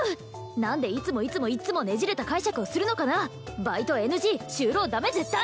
何でいつもいつもいっつもねじれた解釈をするのかなバイトＮＧ就労ダメ絶対！